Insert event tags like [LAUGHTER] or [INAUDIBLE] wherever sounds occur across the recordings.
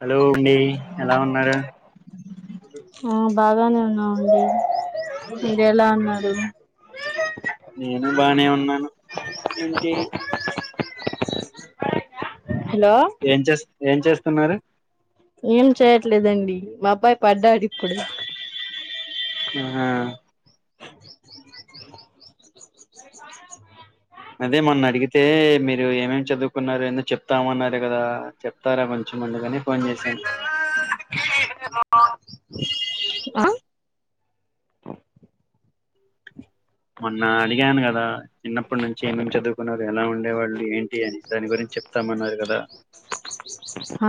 Hello అండి ఎలా ఉన్నారు ఆ బాగానే ఉన్నామండి మీరు ఎలా ఉన్నారు నేను బానే ఉన్నాను ఏంటి హలో ఏం చేస్ ఏం చేస్తున్నారు ఏం చేయట్లేదండి మా అబ్బాయి పడ్డాడు ఇప్పుడు హా అదే మొన్న అడిగితే మీరు ఏమేమి చదువుకున్నారు ఎందో చెప్తామన్నారు కదా చెప్తారమోని మండగానే ఫోన్ చేశాను ఆ మొన్న అడిగాను కదా చిన్నప్పటి నుంచి ఏమేమి చదువుకున్నారు ఎలా ఉన్ వాళ్ళు ఏంటి అని దాని గురించి చెప్తామన్నారు కదా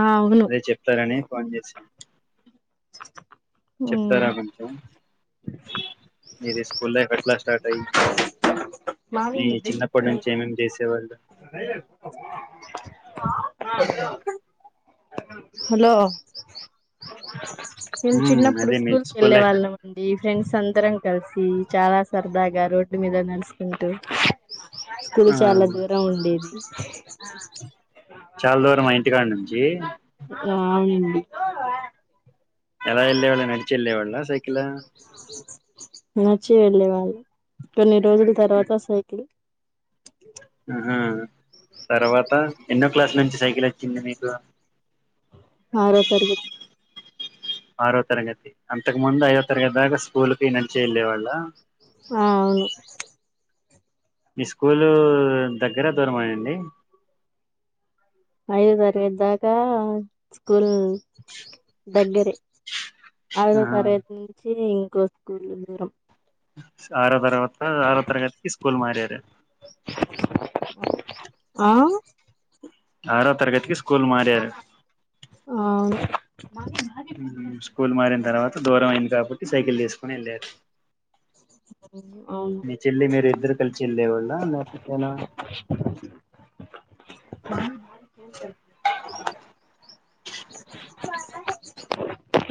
ఆ అవును అదే చెప్తారని ఫోన్ చేసి చెప్తారా కొంచెం మీది స్కూల్ లైఫ్ ఎ ఎట్లా స్టార్ట్ అయి మావి బెస్ట్ ఫ్రెండ్ చేసేవాళ్ళు ఆ హలో మేను ఉమ్ చిన్నప్పుడు అదే మీ స్కూల్ కి వెళ్ళే లైఫ్ వాళ్ళం అండి ఫ్రెండ్స్ అందరం కలిసి చాలా సరదాగా రోడ్డు మీద నడుస్కుంటూ స్కూల్ ఆ చాలా దూరం ఉండ్ ది చాలా దూర మా ఇంటికాడ నుం ఆ ఆమీన్ ఎలా ఎళ్ళే వాళ్ళు నడిచి ఎళ్ళే వాళ్ళ సైకిలా డొనేట్ రోజుల తర్వాత సైకిల్ ఆ తర్వాత ఎన్నో క్లాసు నుంచి సైకిల్ వచ్చింది నికు ఆరో తరగతి ఆరో తరగతి అంతకు ముందు ఐదో తరగతి దాకా స్కూల్కి నడించి వెళ్ళే వాళ్ళ ఆ అవును మీ స్కూలు దగ్గర దూరమా అండి ఐదో తరగతి దాకా స్కూల్ దగ్గరే ఐదో ఆహా తరగతి నుంచి ఇ కో స్కూళ్ళు దూరం. ఆరో తర్వాత ఆరో తరగతికి స్కూల్ మారరు. ఆ. ఆరో తరగతికి స్కూ కోల్ మారారు. అవును స్కూల్ మారిన తర్వాత దూరం అయింది కావచ్చు సైకిల్ తీసుకొని వెళ్ళారు. అవును మీ చెల్లి మీరు ఇద్దరు కలిసి ఎళ్ళలే వాళ్ళ లేపోతే ఎలా.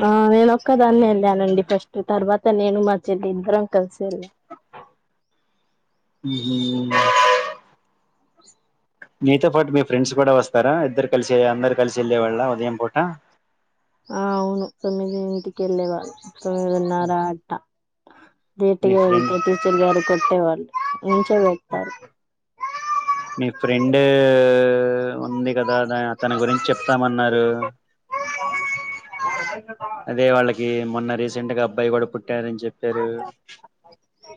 ఆ నేను ఒక్కదాన్ని వెళ్ళానండి ఫస్ట్ తర్వాత నేను మా చెల్లి ఇద్దరం కలిసి వెళ్ళా. హ్మ్. నీతో పాటు మీ ఫ్రెండ్స్ కూడా వస్తారా ఇద్దరు కలిసి అందరు కలిసి వెళ్ళేవాళ్ళ ఉదయం పూట. ఆ అవును తొమ్మిది ఇంటికి వెళ్ళే వాళ్ళం. తొమ్మిదిన్నరా అట్టా. లేట్ మీ గా ఫ్రెండ్ వెళ్తే టీచర్ గారు కొ. ఎవల్ నుంచో పెడుతారు. మీ ఫ్రెండ్ ఉంది కదా ఆ అతని గురించి చెప్తామన్నారు. అదే వాళ్ళకి మొన్న. రీసెట్ గా అబ్బాయి కూడా పు. ట్టారు అని చెప్పారు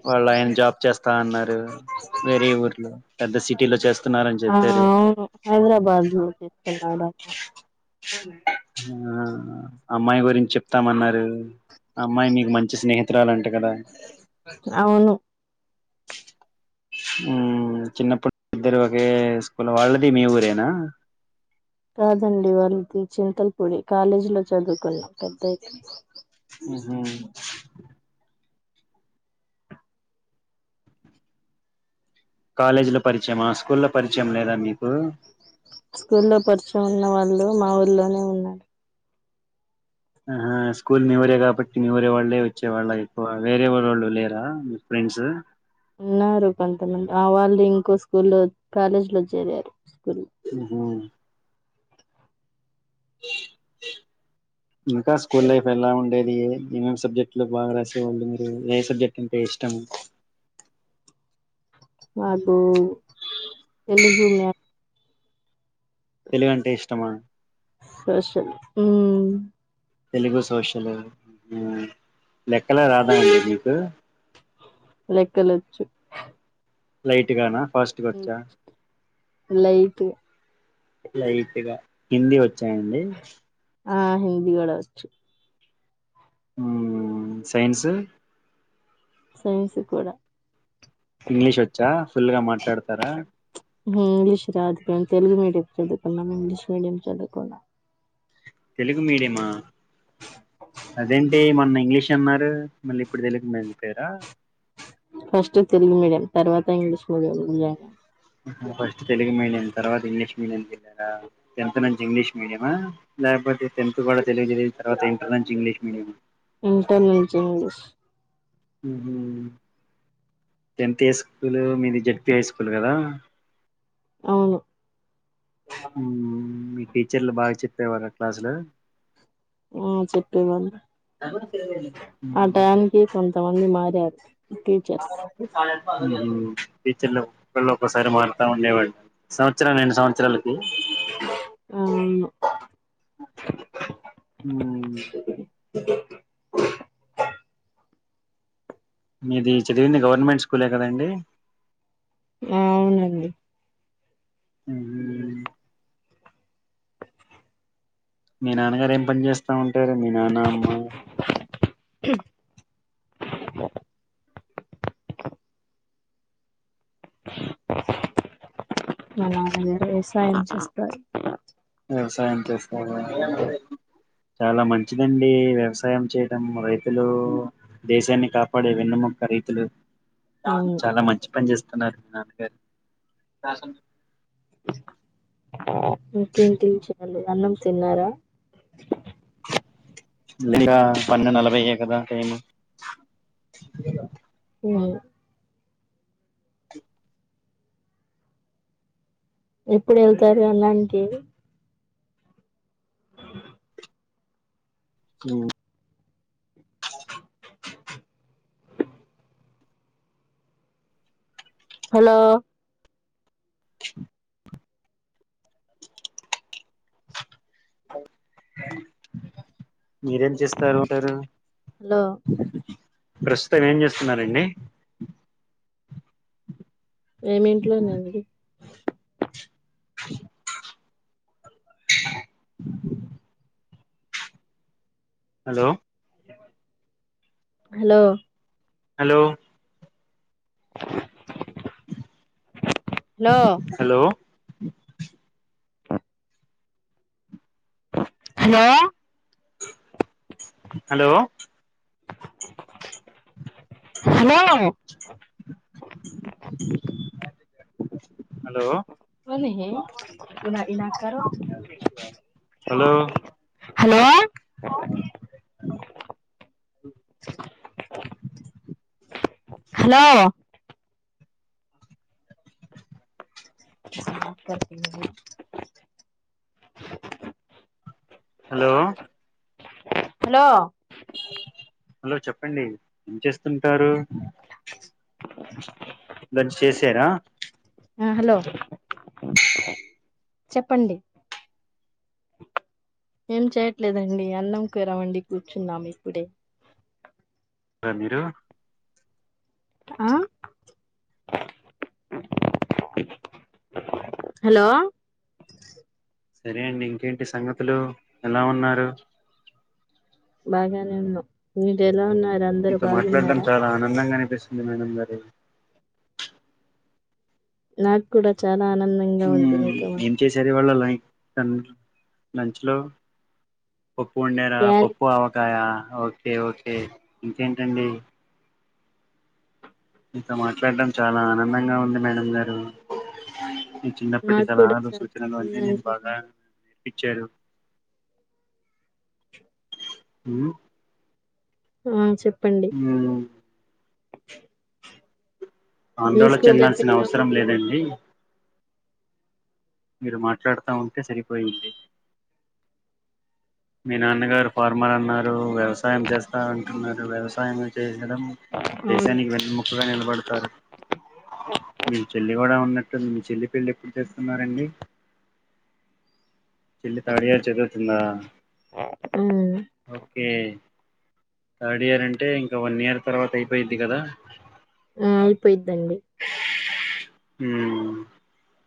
వాళ్ళు ఆయన జాబ్ చేస్తా అన్నారు వేరే ఊర్లో పెద్ద సిటీలో చేస్తున్నారు అని ఆ చెప్పారు అవును హైదరాబాద్ లో తీసుకున్నాడు ఆ ఆం. అమ్మాయి గురి. చెప్తామన్నారు అమ్మాయి మీకు మంచి స్నేహితురాల అంటా కదా. అవును ఉమ్ చిన్నప్పుడు ఇద్దరు ఒకే స్కూల్ వాళ్ళది మీ ఊరేనా. కాదండి వాళ్ళది చింతలపూడి కాలేజీ లో చదువుకులే పెద్దయితే. ఉహు. కాలేజీ లో పరిచయమా స్కూల్ లో పరిచయం లేదా మీకు. స్కూల్లో పరిచయం ఉన్న వాళ్ళు మా ఊర్లోనే ఉన్నారు. ఆ స్కూల్ మీ ఊరే కాబట్టి మీ ఊరే వాళ్ళే వచ్చే వాళ్ళ ఎక్కువ వేరే వా వాళ్ళు లేరా మీ ఫ్రెండ్స్. ఉన్నారు కొంతమంది ఆ వాళ్ళు ఇంకో స్కూల్లో కాలేజీ లో చేరారు. స్కూల్ ఉహుమ్ ఇంకా స్కూల్ లైఫ్ ఎలా ఉండేది ఏమేమి సబ్జెక్టులు బాగా రాసేవాళ్ళు మీరు ఏ సబ్జెక్ట్ అంటే ఇష్టం. నాకు తెలుగు మ్య. తెలుగుంటే ఇష్టమా. సోషల్ ఉమ్ తెలుగు సోషల్ ఉమ్ లెక్కలే రాదాండి మీకు. లెక్కలు వచ్చు. లైట్ గా నా. ఫస్ట్గా వచా లేలైట్ లైట్గా కిందీ హిందీ వచాండి ఆ హిందీ కూడా వచ్చు ఉమ్ సైన్స్ సైన్సు కూడా ఇంగ్లీష్ వచ్చా ఫుల్ గా మాట్లాడతారా ఉమ్ ఇంగ్లీష్ రాదు మెమ్ తెలుగు మ మీడియం ఎదుకు ఇంగ్లీష్ మీడియం చాదుకోలా తెలుగు మీడియమా అదేంటే మొన్న ఇంగ్లీష్ అన్నారు మళ్ళీ ఇప్పుడు తెలుగు మళిపోయారా ఫస్ట్ తెలుగు మీడియం తర్వాత English medium join first Telugu medium తర్వాత ఇంగ్లీష్ మీడియం చెరారా టెన్త్ నుంచి ఇంగ్లీష్ మీడియ లేకపోతే టెన్త్ కూడా తెలు తర్వాత ఇంటర్ నుంచి ఇంగ్లీష్ మీడియం ఇంటర్నట్ంచి ఇంగ్లీస్ ఉహుమ్ టెన్త్ ఏ స్కూల్ మీది జెడ్పీ హై స్కూల్ కదా అవును ఉమ్ మీ టీచర్లు బాగా చెప్పేవారు క్లాసులు ఉమ్ చెప్పేవాళ ఉహు ఆ టైనికి కొంతమంది మారి చారు [UNINTELLIGIBLE] అ చాల ఉహుమ్ టీచర్లు ఒకళ్ళు ఒసారి మారుతా ఉండేవాళ్ళం సంవత్సరాలు నండు సంవత్సరాలకి ఆ ఉమ్ మీది చదివివంది గవర్నమెంట్ స్కూలే కదండి ఉమ్ అవునండి ఉహు మీ నాన్నగారు ఏం పని చేస్తా ఉన్ టరు మీ నాన్న ఆమ్మ వాళ్ళా [UNINTELLIGIBLE] వ్యవసాయం చేస్తారు వ్యవసాయం చేస్తారా చాలా మంచిదండి వ్యవసాయం చేయటం రైతులు దేశాన్ని కాపాడే వెన్నముక రైతులు అవును చాలా మంచి పని చేస్ [UNINTELLIGIBLE] ఇంకేం తెల్ చాలు అన్నం తిన్నారా ఇంకా పన్ను నలభై ఏ కదా టైము ఓ ఎప్పుడు ఎళ్తారు అన్నానికి ఉమ్ హలో మీరేం చేస్తారు ఉంటారు హలో ప్రస్తుతం ఏం చేస్తున్నారండి ఏమి ఇంట్లోనే అండి hello hello hello hello hello hello hello hello hello hello hello hello కస హలో హలో హలో చెప్పండి ఏం చేస్తుంటారు దట్ చేశారా ఆ హలో చెప్పండి ఏం చేయట్లేదండి అన్నం కుర వండి కూర్చున్నాం ఇప్పుడే రా మీరు ఆ హలో సరే అండి ఇంకేంటి సంగతులు ఎలా ఉన్నారు బాగానే ఉన్నా మీరు ఎలా ఉన్నారు అందరు మీతో మాట్లాడం బాగున్నారా చాలా ఆనందంగా స్లీమ నంబరే నాకు కూడా చానా మ్ ఏం చేసారు ఇవళ్ళా లా లంచ్ లో పప్పు ఉండేర క్యారెట్ పప్పు ఆవకాయ ఓకే ఓకే ఇంకేంటండి మీతో మాట్లాడటం చాలా ఆనందంగా ఉంది మేడం గారు ఈ చిన్నప్పటి నాకు కూడా సలహాలు చాలా సూచనలు అన్న నేను ఆనందంగా బాగా ఉంది చ్చారు ఆ చెప్ మ్ మీ ఆందోళ స్కూల్ లైఫ్ చెందాల్సిన ఎలా అవసరం ఉంది లేదండి మీరు మాట్లాడుతా ఉంటే సరిపోయిద్ది, మీ నాన్నగారు ఫార్మర్ అన్నారు వ్యవసాయం చేస్తా అంటున్నారు వ్యవసాయం మేడం అవును దేశానికి వెన్నముకుగా నిలబడతారు, మీ చెల్లి కూడా ఉన్నట్టుంది చెల్లి పెళ్లి ఎప్పుడు చేస్తున్నారండి చెల్లి థర్డ్ ఇయర్ చదువుతుందా ఆ ఓకే థర్డ్ ఇయర్ అంటే ఇంకా వన్ ఇయర్ తర్వాత అయిపోయిద్ది కదా హ అయిపోయి అండి మ్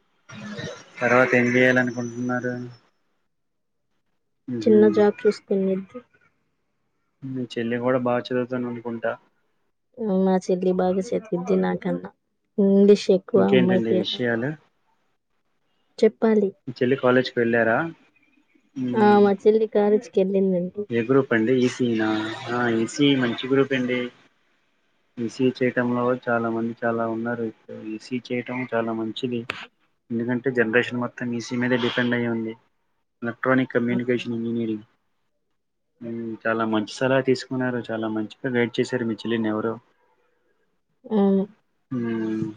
తర్వాత ఏం చేయాలి అనుకుంటున్నారు చిన్న జాబ్ చేస్తుంది మీ చెల్లె కూడా బాగా చదువుతోను అనుకుంటా నాచెల్లె బాగా చదువుద్ది నాకన్నా ఇంగ్లీష్ ఎక్కువ ఇంకేంటండి అమ్మాయికి విషయాలు చెప్పాలి మీ చెల్లె కాలేజ్ కి వెళ్ళారా ఆ మ్మ్. మ చెల్లి కలే ఏ గ్రూప్ అండి ఈసీనా ఈసీ మంచి గ్రూప్ అండి, ఈసీఈ చేయటంలో చాలా మంది చాలా ఉన్నారు ఇప్పుడు ఈసీఈ చేయటం చాలా మంచిది, ఎందుకంటే జనరేషన్ మొత్తం ఈసీ మీదే డిపెండ్ అయ్య ఉంది, ఎలక్ట్రానిక్ కమ్యూనికేషన్ ఇంజనీరింగ్ ఉ చాలా మంచి సలహా తీసుకున్నారు చాలా మంచిగా గైడ్ చేశారు మీ చెల్లిని ఎవరు అవును ఉ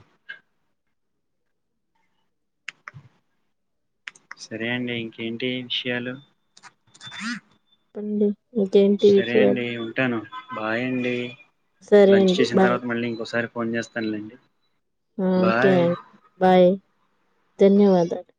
సరే అండి ఇంకేంటి విషయాలు చెప్పండి ఇంకేంటి సరే విషయాలు అండి ఉంటాను బాయ్ అండి సరే లంచ్ అండి చేసిన బాయ్ తర్వాత మళ్ళీ ఇంకోసారి ఫోన్ చేస్తానులేండి ఓకే బాయ్ బాయ్ ధన్యవాదాలు